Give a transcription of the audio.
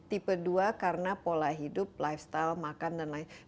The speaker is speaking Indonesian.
tipe dua karena pola hidup lifestyle makan dan lain lain